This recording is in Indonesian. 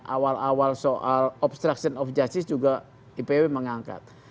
awal awal soal obstruction of justice juga ipw mengangkat